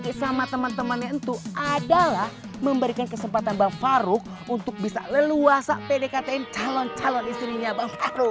ke pergian si funky sama teman temannya itu adalah memberikan kesempatan bang faruk untuk bisa leluasa pdktn calon calon istrinya bang faruk